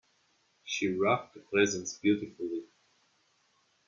She wrapped the presents beautifully.